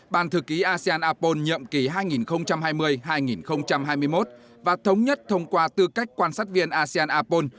ban thư ký asean apol nhậm ký hai nghìn hai mươi hai nghìn hai mươi một và thống nhất thông qua tư cách quan sát viên asean apol